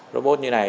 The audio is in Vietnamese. robot như này